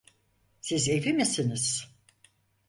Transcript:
Siz evli misiniz?